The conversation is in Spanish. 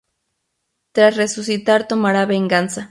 Tras resucitar tomará venganza.